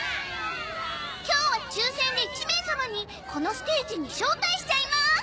今日は抽選で１名様にこのステージに招待しちゃいまーす！